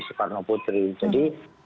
soekarno putri jadi